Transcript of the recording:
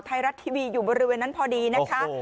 ไทยรัฐทีวีอยู่บริเวณนั้นพอดีนะคะ